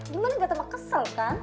gimana gak tambah kesel kan